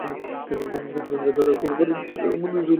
হারামজাদারা কোনো কারণ ছাড়াই অমানুষের মতো মেরে আমার দাঁত ফেলে দিয়েছিল।